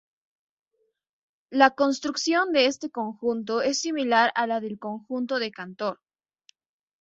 La construcción de este conjunto es similar a la del conjunto de Cantor.